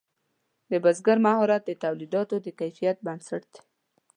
د بزګر مهارت د تولیداتو د کیفیت بنسټ دی.